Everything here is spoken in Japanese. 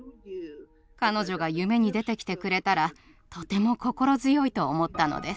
彼女が夢に出てきてくれたらとても心強いと思ったのです。